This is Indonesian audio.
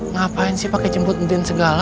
ngapain sih pakai jemput mungkin segala